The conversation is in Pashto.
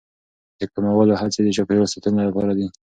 د کمولو هڅې د چاپیریال ساتنې لپاره دي.